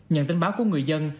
nhận tin báo của người dân